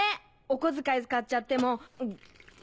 お小遣い使っちゃっても。